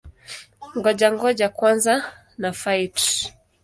Ngoja-ngoja kwanza na-fight!